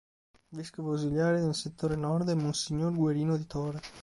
Vescovo ausiliare del settore nord è monsignor Guerino Di Tora.